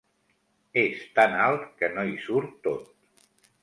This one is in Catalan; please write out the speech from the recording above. És tan alt que no hi surt tot.